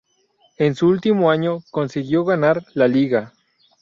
En su último año, consiguió ganar La Liga.